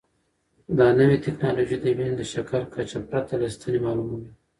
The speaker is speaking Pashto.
دا نوې ټیکنالوژي د وینې د شکر کچه پرته له ستنې معلوموي.